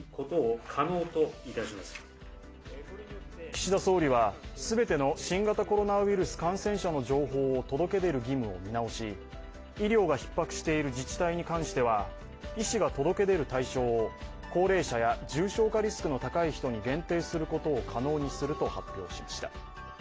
岸田総理は全ての新型コロナウイルス感染者の情報を届け出る義務を見直し医療がひっ迫している自治体に関しては医師が届け出る対象を高齢者や重症化リスクの高い人に限定することを可能にすると発表しました。